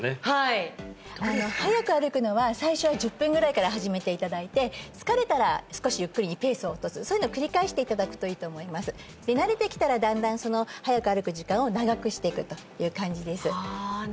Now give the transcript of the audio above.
はい速く歩くのは最初は１０分ぐらいから始めていただいて疲れたら少しゆっくりにペースを落とすそういうのを繰り返していただくといいと思いますで慣れてきたらだんだん速く歩く時間を長くしていくという感じですあ